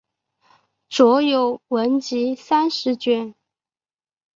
着有文集三十卷。